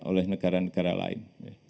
oleh negara negara lain